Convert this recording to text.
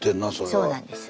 そうなんです。